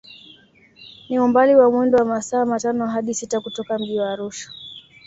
Ni umbali wa mwendo wa masaa matano hadi sita kutoka mji wa Arusha